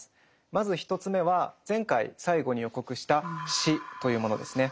まず１つ目は前回最後に予告した「死」というものですね。